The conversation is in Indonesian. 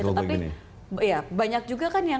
tapi banyak juga kan